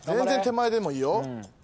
全然手前でもいいよ。